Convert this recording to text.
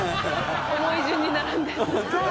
重い順に並んでる。